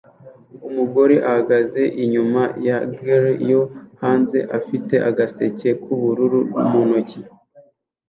Umugore ahagaze inyuma ya grill yo hanze afite agaseke k'ubururu mu ntoki